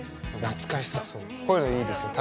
こういうのいいですよ。